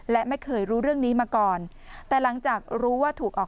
และไม่เคยรู้เรื่องนี้มาก่อนแต่หลังจากรู้ว่าถูกออก